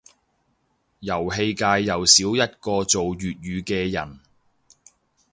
遊戲界又少一個做粵語嘅人